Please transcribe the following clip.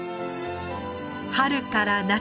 春から夏。